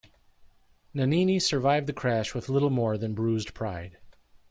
Nannini survived the crash with little more than bruised pride.